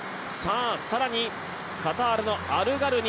更に、カタールのアルガルニ。